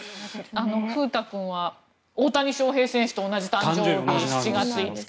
風太君は大谷翔平選手と同じ誕生日で７月５日。